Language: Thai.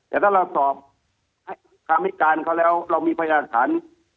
แต่ถ้าเราสอบคำให้การเขาแล้วเรามีพยานฐาน